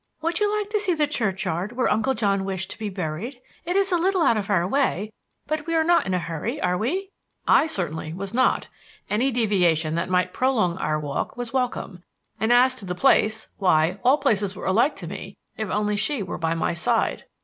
Would you like to see the churchyard where Uncle John wished to be buried? It is a little out of our way, but we are not in a hurry, are we?" I, certainly, was not. Any deviation that might prolong our walk was welcome, and as to the place why, all places were alike to me if only she were by my side.